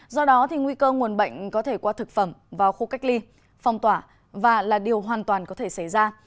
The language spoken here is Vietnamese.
do đó nguy cơ nguồn bệnh có thể qua thực phẩm vào khu cách ly phong tỏa và là điều hoàn toàn có thể xảy ra